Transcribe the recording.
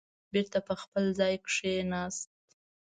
بېرته په خپل ځای کېناست.